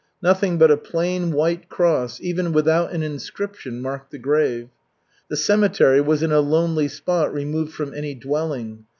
Nothing but a plain white cross, even without an inscription, marked the grave. The cemetery was in a lonely spot removed from any dwelling.